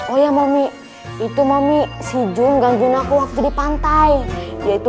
oh ya mami itu mami si jun gangguin aku waktu di pantai yaitu